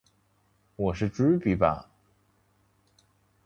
我是猪鼻吧